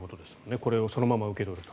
これをそのまま受け取ると。